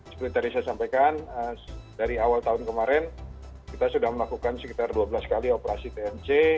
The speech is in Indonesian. seperti tadi saya sampaikan dari awal tahun kemarin kita sudah melakukan sekitar dua belas kali operasi tmc